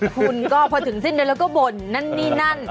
คุณก็พอถึงสิ้นเดือนแล้วก็บ่นนั่นนี่นั่น